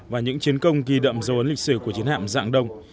và những chiến công ghi đậm dấu ấn lịch sử của chiến hạm dạng đông